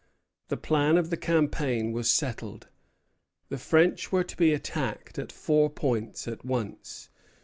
The plan of the campaign was settled. The French were to be attacked at four points at once.